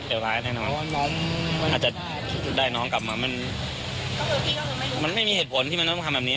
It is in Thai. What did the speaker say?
แต่ว่าน้องอาจจะคิดได้น้องกลับมามันไม่มีเหตุผลที่มันต้องทำแบบนี้